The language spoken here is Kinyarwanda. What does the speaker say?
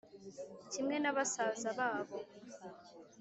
kimwe nabasaza babo